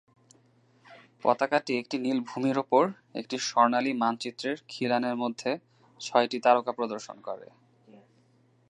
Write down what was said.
পতাকাটি একটা নীল ভূমির উপর একটি স্বর্ণালী মানচিত্রের খিলানের মধ্যে ছয়টি তারকা প্রদর্শন করে।